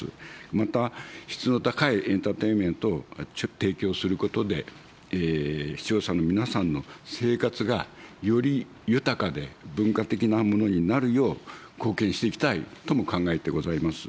また、質の高いエンターテインメントを提供することで、視聴者の皆さんの生活がより豊かで文化的なものになるよう、貢献していきたいとも考えてございます。